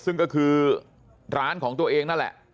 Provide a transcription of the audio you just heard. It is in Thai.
ซึ่งก็คือร้านของตัวเองนั่นแหละ